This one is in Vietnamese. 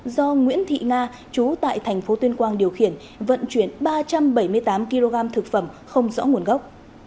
do nguyễn thị nga chú tại thành phố tuyên quang điều khiển vận chuyển ba trăm bảy mươi tám kg thực phẩm không rõ nguồn gốc